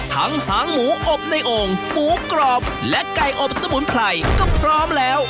หางหมูอบในโอ่งหมูกรอบและไก่อบสมุนไพรก็พร้อมแล้ว